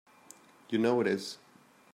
You know it is!